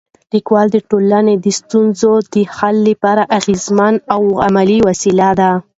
لیکوالی د ټولنې د ستونزو د حل لپاره اغېزمن او عملي وسیله ده.